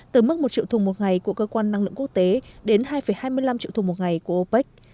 từ mức một triệu thùng một ngày của cơ quan năng lượng quốc tế đến hai hai mươi năm triệu thùng một ngày của opec